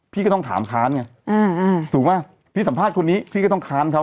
พี่ก็ต้องถามค้านไงถูกป่ะพี่สัมภาษณ์คนนี้พี่ก็ต้องค้านเขา